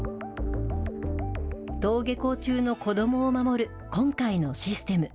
登下校中の子どもを守る今回のシステム。